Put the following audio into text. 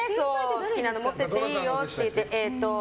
好きなの持ってっていいよって言ってくれて。